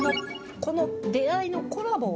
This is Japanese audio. この出合いのコラボを。